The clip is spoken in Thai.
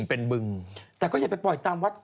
เป็นบึงแต่ก็อย่าไปปล่อยตามวัด